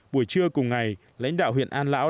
buổi trưa cùng ngày lãnh đạo huyện an lão